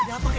ada apa kek